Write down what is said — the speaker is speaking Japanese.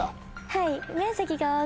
はい。